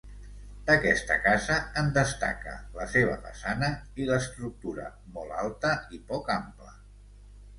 D'aquesta casa en destaca la seva façana i l'estructura molt alta i poc ample.